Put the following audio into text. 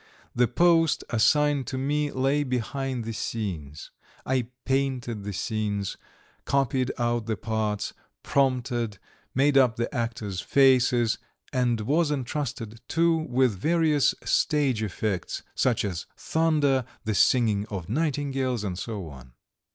The post assigned to me lay behind the scenes. I painted the scenes, copied out the parts, prompted, made up the actors' faces; and I was entrusted, too, with various stage effects such as thunder, the singing of nightingales, and so on.